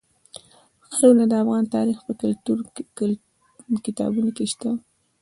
ښارونه د افغان تاریخ په کتابونو کې شته.